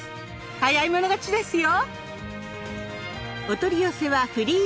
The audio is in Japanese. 早い者勝ちですよ。